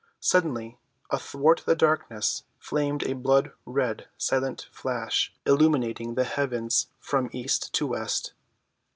Suddenly athwart the darkness flamed a blood‐red, silent flash illumining the heavens from east to west.